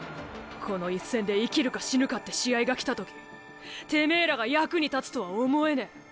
この一戦で生きるか死ぬかって試合が来た時てめえらが役に立つとは思えねえ。